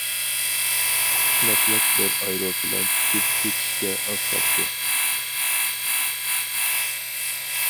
ئۇقۇشماسلىق بىر ئايروپىلان چۈشۈپ كېتىشكە ئاز قاپتۇ.